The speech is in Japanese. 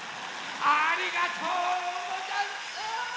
ありがとうござんす！